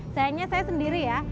sayangnya saya sendiri ya